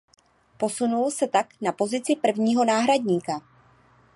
Posunul se tak na pozici prvního náhradníka.